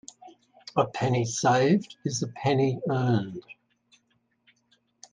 A penny saved is a penny earned.